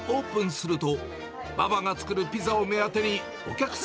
すると。